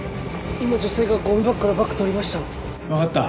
今女性がゴミ箱からバッグ取りました！